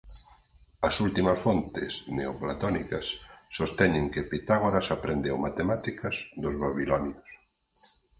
As últimas fontes neoplatónicas sosteñen que Pitágoras aprendeu matemáticas dos babilonios.